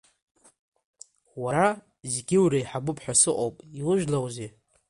Уара, зегьы уреиҳабуп ҳәа сыҟоуп, иужәлоузеи?